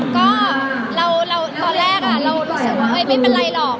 ก็ตอนแรกเรารู้สึกว่าไม่เป็นไรหรอก